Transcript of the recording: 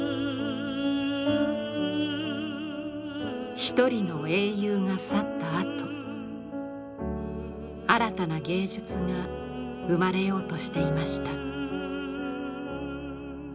一人の英雄が去ったあと新たな芸術が生まれようとしていました。